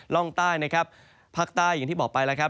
ร่องใต้ภาคใต้อย่างที่บอกไปแล้ว